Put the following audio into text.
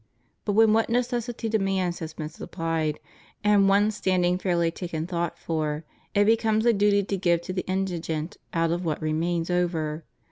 ' But when what necessity demands has been supplied, and one's standing fairly taken thought for, it becomes a duty to give to the indigent out of what remains over.